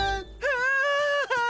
ああ！